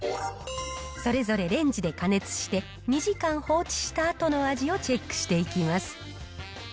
それぞれレンジで加熱して、２時間放置したあとの味をチェックしていきます。